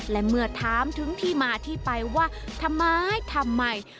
และเมื่อถามถึงที่มาที่ไปว่าทำไมทำไม